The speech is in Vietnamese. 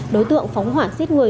đối tượng phóng hoảng giết người